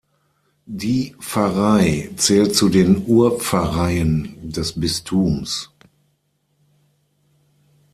Die Pfarrei zählt zu den Urpfarreien des Bistums.